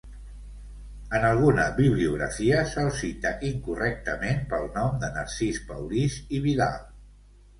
En alguna bibliografia se'l cita incorrectament pel nom de Narcís Paulís i Vidal.